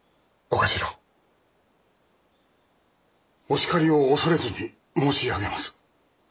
お叱りを恐れずに申し上げます。